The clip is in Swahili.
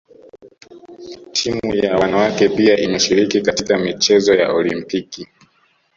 Timu ya wanawake pia imeshiriki katika michezo ya Olimpiki